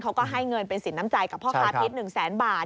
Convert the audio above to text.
เขาก็ให้เงินเป็นสินน้ำใจกับพ่อค้าพิษ๑แสนบาท